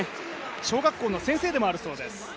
小学校の先生でもあるそうです。